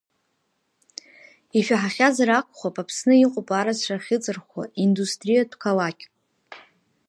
Ишәаҳахьазар акәхап, Аԥсны иҟоуп арацәа ахьыҵырхуа, индустриатә қалақьк.